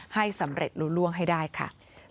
ให้สำเร็จรู้ล่วงให้ได้ค่ะ